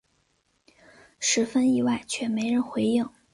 十分意外却没人回应